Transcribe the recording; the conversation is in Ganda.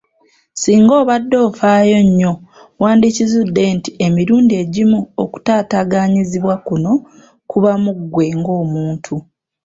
Singa obadde ofaayo nnyo, wandikizudde nti emirundi egimu okutaataganyizibwa kuno kuba mu ggwe ng’omuntu.